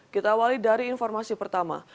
kita awali dari informasi pertama